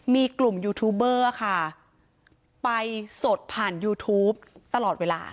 มีกลุ่มยูทูบเบอร์ค่ะไปสดผ่านยูทูปตลอดเวลา